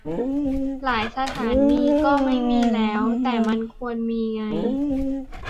หลายสถานีก็ไม่มีแล้ว - แต่มันควรมีไง